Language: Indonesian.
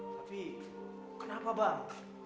tapi kenapa bang